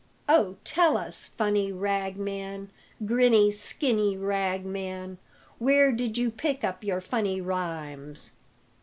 "O tell us, funny rag man, Grinny, skinny rag man, Where did you pick up your funny rimes?"